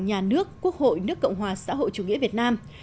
nhà nước quốc hội nước cộng hòa xã hội chủ nghĩa việt nam